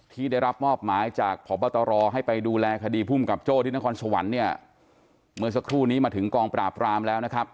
ที่ล่าสวัสดีร้องผู้บัญชาการตะบลดแห่งชาติ